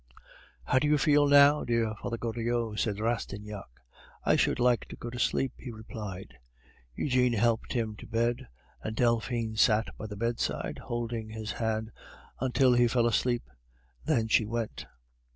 "How do you feel now, dear Father Goriot?" asked Rastignac. "I should like to go to sleep," he replied. Eugene helped him to bed, and Delphine sat by the bedside, holding his hand until he fell asleep. Then she went.